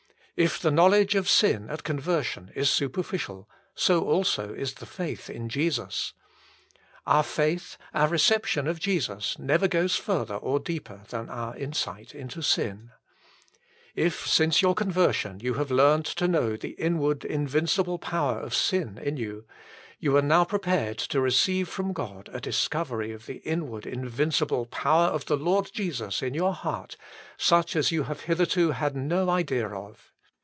If the knowledge of sin at conversion is superficial, so also is the faith in Jesus. Our faith, our reception of Jesus never goes further or deeper than our insight into sin. If since your conversion you have learned to know the inward invincible power of sin in you, you are now prepared to receive from God a discovery of the inward invincible power of the Lord Jesus in your heart, such as you have hitherto had no idea of.